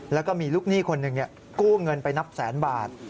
แล้วก็มีลูกหนี้คนหนึ่งกู้เงินไปนับแสนบาท